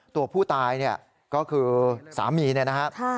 ตัวผู้ตายก็คือสามีนะครับ